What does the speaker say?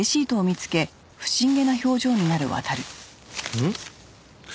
うん？